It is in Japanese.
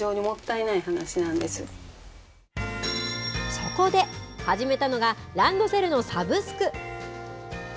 そこで始めたのがランドセルのサブスク。